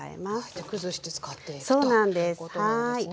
じゃあ崩して使っていくということなんですね。